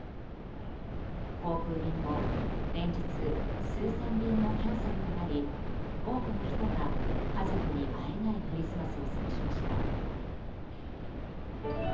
航空便も連日数千便がキャンセルとなり多くの人が家族に会えないクリスマスを過ごしました。